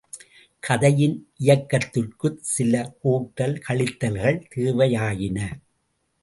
கதையின் இயக்கத்திற்குச் சில கூட்டல் கழித்தல்கள் தேவையாயின.